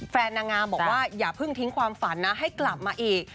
นางงามบอกว่าอย่าเพิ่งทิ้งความฝันนะให้กลับมาอีก